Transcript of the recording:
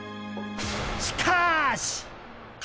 しかし。